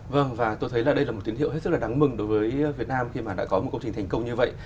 vâng và tôi thấy là đây là một tín hiệu hết sức là đáng mừng đối với việt nam khi mà đã có một công trình thành công như vậy